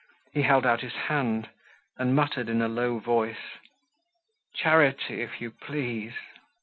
He held out his hand, and muttered in a low voice: "Charity, if you please!"